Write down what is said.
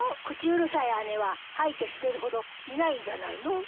口うるさい姉は掃いて捨てるほどいないんじゃないの？